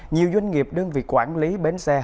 nhiều doanh nghiệp đơn vị quản lý bến xe